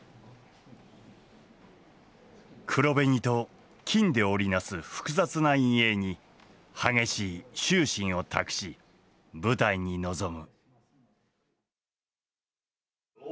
黒紅と金で織り成す複雑な陰影に激しい執心を託し舞台に臨む。